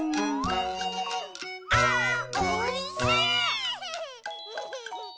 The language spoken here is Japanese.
「あーおいしい！」